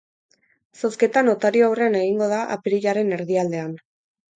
Zozketa notario aurrean egingo da apirilaren erdialdean.